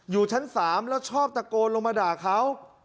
อยู่ชั้น๓แล้วชอบตะโกนลงมาด่าเขา